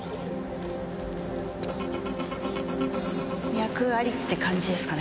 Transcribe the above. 脈ありって感じですかね。